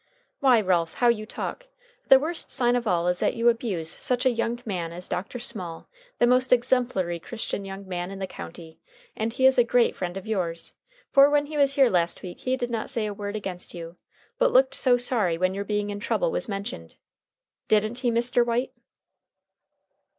"Why, Ralph, how you talk! The worst sign of all is that you abuse such a young man as Dr. Small, the most exemplary Christian young man in the county. And he is a great friend of yours, for when he was here last week he did not say a word against you, but looked so sorry when your being in trouble was mentioned. Didn't he, Mr. White?"